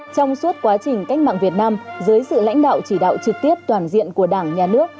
trong suốt quá trình cách mạng việt nam dưới sự lãnh đạo chỉ đạo trực tiếp toàn diện của đảng nhà nước